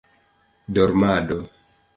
dormado